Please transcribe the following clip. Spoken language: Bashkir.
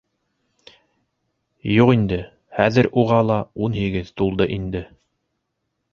Юҡ инде, хәҙер уға ла ун һигеҙ тулды инде.